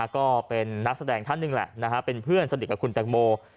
ก็เป็นนักแสดงท่านหนึ่งแหละเป็นเพื่อนสนิทกับคุณแตงโม